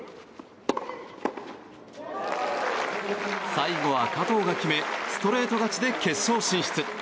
最後は加藤が決めストレート勝ちで決勝進出。